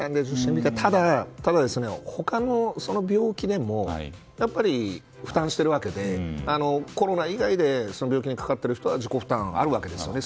ただ、他の病気でも負担しているわけでコロナ以外で病気にかかっている人は自己負担があるわけですよね。